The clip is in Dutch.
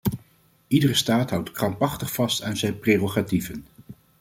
Iedere staat houdt krampachtig vast aan zijn prerogatieven.